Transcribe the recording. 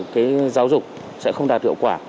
việc giáo dục sẽ không đạt hiệu quả